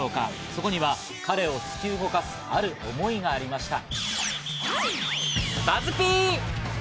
そこには彼を突き動かす、ある思いがありました。